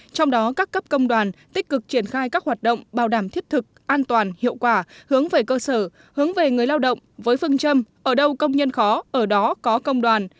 trong đó các cấp công đoàn tích cực triển khai các hoạt động bảo đảm thiết thực an toàn hiệu quả hướng về cơ sở hướng về người lao động với phương châm ở đâu công nhân khó ở đó có công đoàn